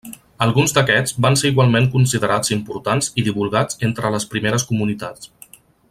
Alguns d'aquests van ser igualment considerats importants i divulgats entre les primeres comunitats.